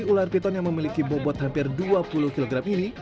ular piton yang memiliki bobot hampir dua puluh kg ini